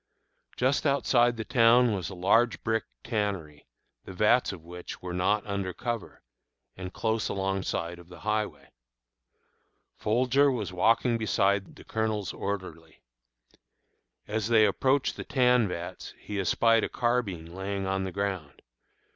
Just outside the town was a large brick tannery, the vats of which were not under cover, and close alongside of the highway. Folger was walking beside the Colonel's orderly. As they approached the tan vats he espied a carbine lying on the ground.